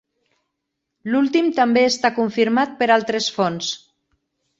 L'últim també està confirmat per altres fonts.